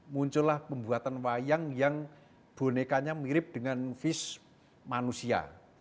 muncullah pembuatan wayang yang bonekanya mirip dengan vis manusia